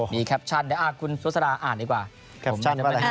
มีแคปชั่นคุณสุษราอ่านดีกว่าแคปชั่นว่าไง